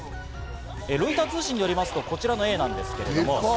ロイター通信によりますと、こちらのエイですけれども。